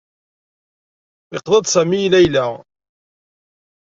Yeqḍa-d Sami i Layla.